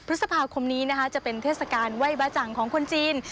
พฤษภาคมนี้นะคะจะเป็นเทศกาลไหว้บ้าจังของคนจีน